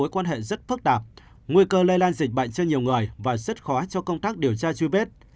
mối quan hệ rất phức tạp nguy cơ lây lan dịch bệnh cho nhiều người và rất khó cho công tác điều tra truy vết